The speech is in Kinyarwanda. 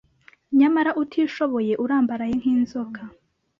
Nyamara utishoboye urambaraye nkinzoka